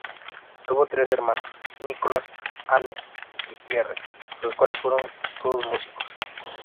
Tuvo tres hermanos, Nicolas, Anne y Pierre, los cuales fueron todos músicos.